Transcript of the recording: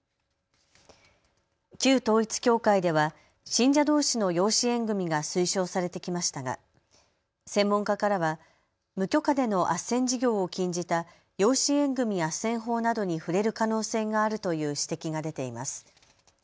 旧統一教会では信者どうしの養子縁組みが推奨されてきましたが専門家からは無許可でのあっせん事業を禁じた養子縁組あっせん法などに触れる可能性があるという指摘が出ています。